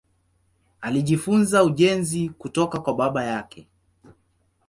Alijifunza ujenzi kutoka kwa baba yake.